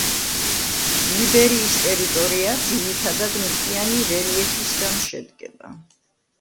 ლიბერიის ტერიტორია ძირითადად მთიანი რელიეფისგან შედგება.